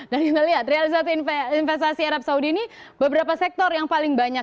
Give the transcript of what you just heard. dan kita lihat realisasi investasi arab saudi ini beberapa sektor yang paling banyak